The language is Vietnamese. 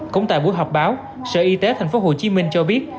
cũng tại buổi họp báo sở y tế tp hcm cho biết